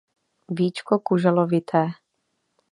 Víčko kuželovité.